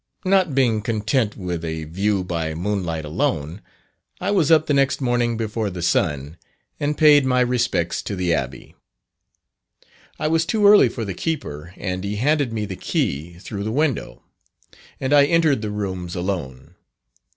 Not being content with a view by "moonlight alone," I was up the next morning before the sun, and paid my respects to the Abbey. I was too early for the keeper, and he handed me the key through the window, and I entered the rooms alone.